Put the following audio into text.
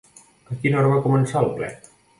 A quina hora va començar el ple?